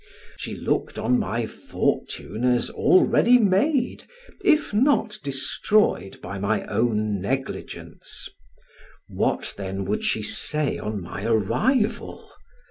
She looked on my fortune as already made, if not destroyed by my own negligence; what then would she say on my arrival?